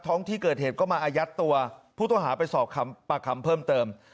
ท้องที่เกิดเหตุก็มาอายัดตัวผู้ต้องหาไปสอบปากคำเพิ่มเติม